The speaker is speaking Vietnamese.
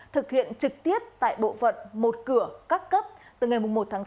thực hiện trực tiết tại bộ phận một cửa các cấp từ ngày một sáu hai nghìn hai mươi bốn